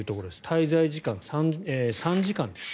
滞在時間３時間です。